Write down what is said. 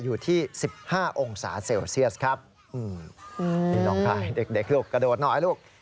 อยู่ที่๑๕องศาเซลเซียสครับนี่น้องพายเด็กลูกกระโดดหน่อยลูก